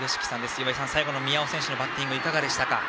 岩井さん、最後の宮尾選手のバッティングはいかがでしたか。